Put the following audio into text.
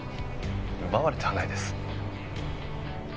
奪われてはないです。